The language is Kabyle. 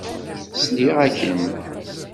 Sliɣ-ak-n.